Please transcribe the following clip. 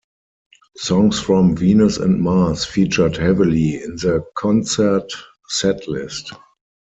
Songs from "Venus and Mars" featured heavily in the concert setlist.